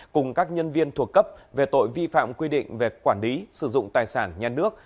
cùng các nhân viên thuộc cấp về tội vi phạm quy định về quản lý sử dụng tài sản nhà nước